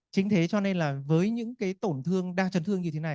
chính thế cho nên là với những cái tổn thương đa chấn thương như thế này